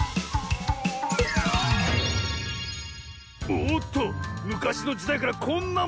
おっとむかしのじだいからこんなものが！